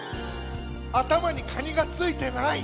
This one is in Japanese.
あたまにカニがついてない！